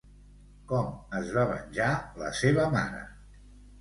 Com es va venjar la seva mare?